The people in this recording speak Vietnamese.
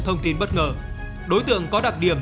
thông tin bất ngờ đối tượng có đặc điểm